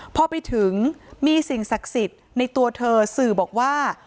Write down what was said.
พอไปถึงมีสิ่งศักดิ์สิทธิ์ในตัวเธอสื่อบอกว่า